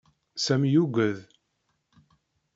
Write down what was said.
Sami yugg-d.